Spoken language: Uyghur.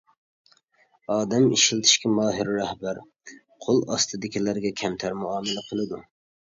ئادەم ئىشلىتىشكە ماھىر رەھبەر قول ئاستىدىكىلەرگە كەمتەر مۇئامىلە قىلىدۇ.